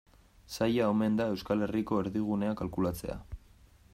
Zaila omen da Euskal Herriko erdigunea kalkulatzea.